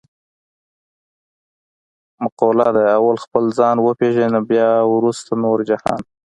مقوله ده: اول خپل ځان و پېژنه بیا ورسته نور جهان.